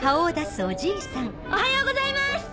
おはようございます！